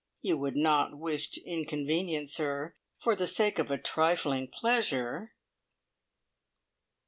You would not wish to inconvenience her for the sake of a trifling pleasure!"